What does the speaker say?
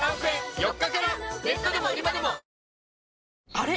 あれ？